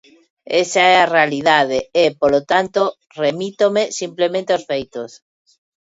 Esa é a realidade e, polo tanto, remítome simplemente aos feitos.